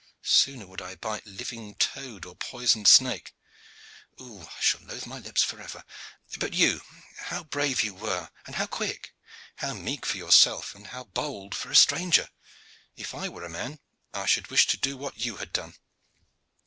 Sooner would I bite living toad or poisoned snake. Oh, I shall loathe my lips forever! But you how brave you were, and how quick! How meek for yourself, and how bold for a stranger! If I were a man, I should wish to do what you have done."